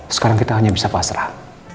sekarang kita hanya bisa pasrah